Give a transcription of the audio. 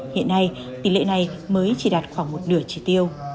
hiện nay tỷ lệ này mới chỉ đạt khoảng một nửa chỉ tiêu